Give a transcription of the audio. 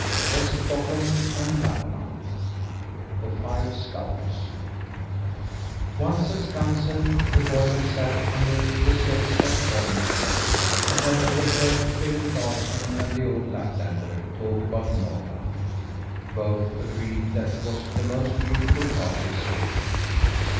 WESTBOTTOM AND LAPLAND THE FIVE SCOUTS Once, at Skansen, the boy had sat under the steps at Bollnäs cottage and had overheard Clement Larsson and the old Laplander talk about Norrland. Both agreed that it was the most beautiful part of Sweden.